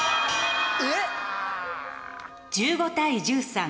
１５対１３。